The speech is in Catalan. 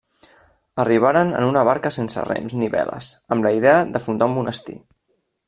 Arribaren en una barca sense rems ni veles, amb la idea de fundar un monestir.